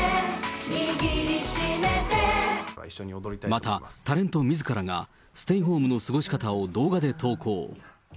また、タレントみずからがステイホームの過ごし方を動画で投稿。